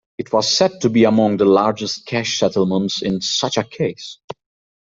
It was said to be among the largest cash settlements in such a case.